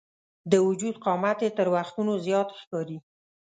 د وجود قامت یې تر وختونو زیات ښکاري.